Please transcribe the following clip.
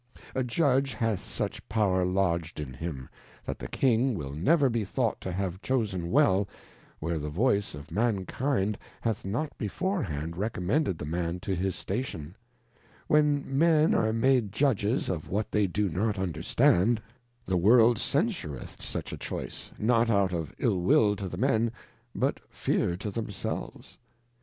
A Judge hath such power lodg'd in him, that the King will never be thought to have chosen well, where the voice of Man kind hath not before hand recommended the Man to his Station ; when Men are made Judges of what they do not understand, the World censureth such a Choice, not out of ill will to the Men, but fear to themselves.